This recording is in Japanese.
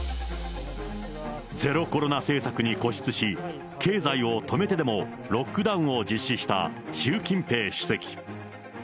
ゼロコロナ政策に固執し、経済を止めてでもロックダウンを実施した習近平主席。